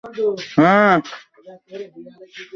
তারা খনি-খননকারীদের হত্যা করে।